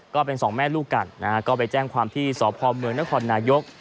ก็เป็นสองแม่ลูกกันนะฮะก็ไปแจ้งความที่สพเมืองนครนายก